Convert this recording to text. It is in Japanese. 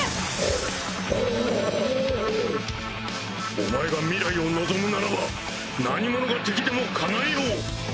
お前が未来を望むならば何者が敵でもかなえよう！